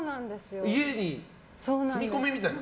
家に住み込みみたいな？